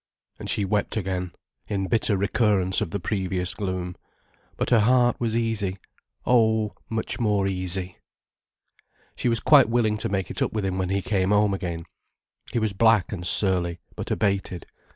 And she wept again, in bitter recurrence of the previous gloom. But her heart was easy—oh, much more easy. She was quite willing to make it up with him when he came home again. He was black and surly, but abated.